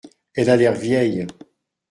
Elle a l’air vieille.